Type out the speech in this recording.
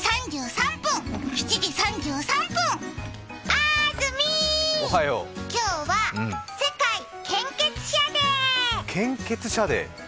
あーずみー、今日は世界献血者デー。